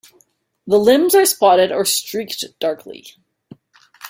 The limbs are spotted or streaked darkly.